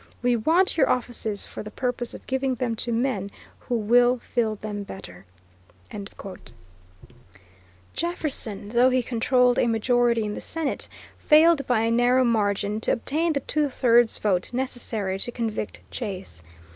We want your offices, for the purpose of giving them to men who will fill them better." Jefferson, though he controlled a majority in the Senate, failed by a narrow margin to obtain the two thirds vote necessary to convict Chase.